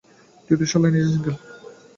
তুই তো শালা নিজেই সিঙ্গেল।